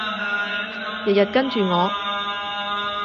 日日跟住我